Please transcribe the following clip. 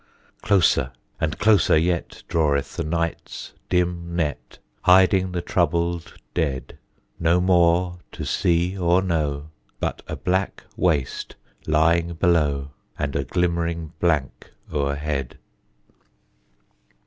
Closer, and closer yet Draweth the night's dim net Hiding the troubled dead: No more to see or know But a black waste lying below, And a glimmering blank o'erhead.